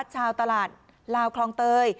ชาวตลาดลาวคลองเตย